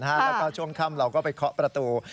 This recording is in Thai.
แล้วก็ช่วงค่ำเราก็ไปเคาะประตู